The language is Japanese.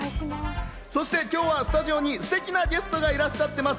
そして今日はスタジオにすてきなゲストがいらしゃっています。